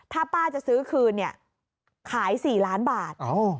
ถ้าป้าจะซื้อคืนเนี่ยขาย๔ล้านบาท